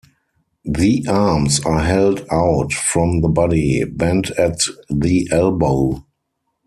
The arms are held out from the body, bent at the elbow.